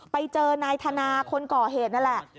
ไปเจอนายธนาคนก่อเหตุนั่นแหละ